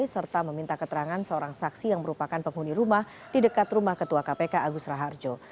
serta meminta keterangan seorang saksi yang merupakan penghuni rumah di dekat rumah ketua kpk agus raharjo